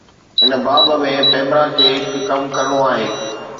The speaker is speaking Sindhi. هن باب ۾ ”پيمرا“ کي هڪ ڪم ڪرڻو آهي.